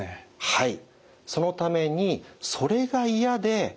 はい。